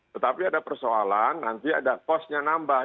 tetapi ada persoalan nanti ada kosnya nambah